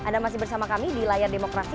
anda masih bersama kami di layar demokrasi